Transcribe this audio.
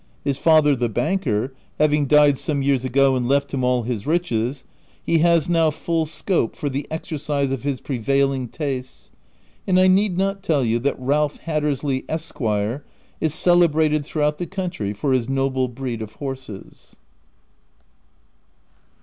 His father, the banker, having died some years ago and left him all his riches, he has now full scope for the exercise of his prevailing tastes, and I need not tell you that Ralph Hattersley, Esqr., is celebrated through out the country for his noble breed of horses.